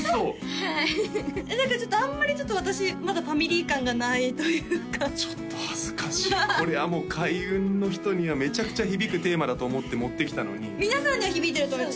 はいフフフだからあんまりちょっと私まだファミリー感がないというかちょっと恥ずかしいこれはもう開運の人にはめちゃくちゃ響くテーマだと思って持ってきたのに皆さんには響いてると思います